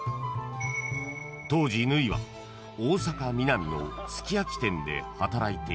［当時縫は大阪ミナミのすき焼き店で働いていた］